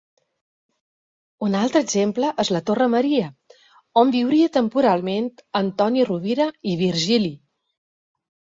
Un altre exemple és la Torre Maria, on viuria temporalment Antoni Rovira i Virgili.